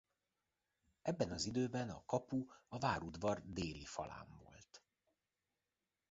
Ebben az időben a kapu a várudvar déli falán volt.